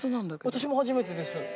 私も初めてです。